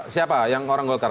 siapa yang orang golkar